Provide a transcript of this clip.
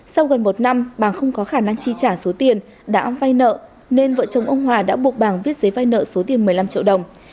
sau gần một năm bàng không có khả năng chi trả số tiền đã vay nợ nên vợ chồng ông hòa đã buộc bàng viết giấy vay nợ số tiền một mươi năm triệu đồng